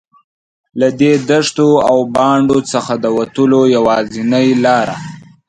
له دې دښتو او بانډو څخه د وتلو یوازینۍ لاره.